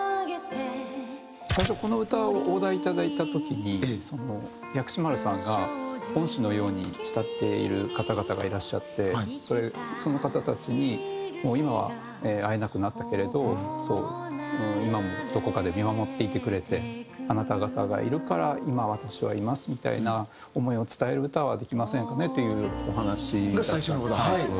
最初この歌をオーダーいただいた時に薬師丸さんが恩師のように慕っている方々がいらっしゃってその方たちにもう今は会えなくなったけれど今もどこかで見守っていてくれてあなた方がいるから今私はいますみたいな思いを伝える歌はできませんかねというお話だったんですね。